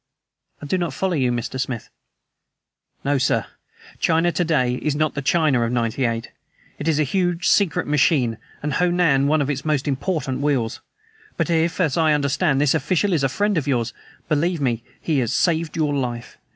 "I do not follow you, Mr. Smith." "No, sir. China to day is not the China of '98. It is a huge secret machine, and Ho Nan one of its most important wheels! But if, as I understand, this official is a friend of yours, believe me, he has saved your life!